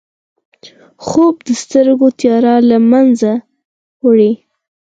خوب د سترګو تیاره له منځه وړي